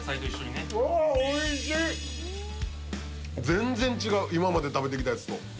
全然違う、今まで食べてきたやつと。